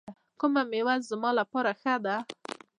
کومه میوه زما لپاره ښه ده؟